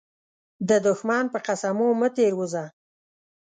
د دښمن په قسمو مه تير وزه.